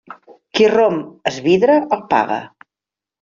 Qui romp es vidre el paga.